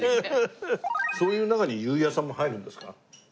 そういう中に裕也さんも入るんですか？